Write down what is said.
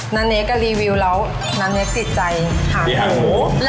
นันเน็กก็รีวิวแล้วนันเน็กติดใจห่างหู